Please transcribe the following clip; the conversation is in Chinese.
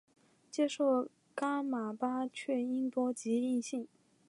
接受噶玛巴却英多吉印信。